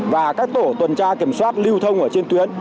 và các tổ tuần tra kiểm soát lưu thông ở trên tuyến